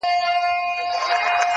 دېوالونه سوري كول كله كمال دئ-